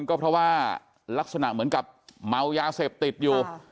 ก็เพราะว่าลักษณะเหมือนกับเมายาเสพติดอยู่